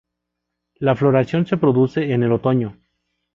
La floración se produce en el otoño.